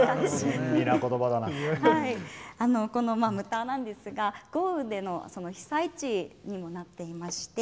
牟田なんですが豪雨での被災地にもなっていまして